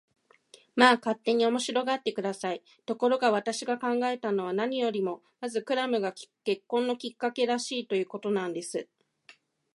まあ、勝手に面白がって下さい。ところが、私が考えたのは、何よりもまずクラムが結婚のきっかけらしい、ということなんです。